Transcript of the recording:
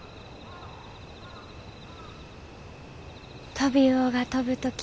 「トビウオが飛ぶとき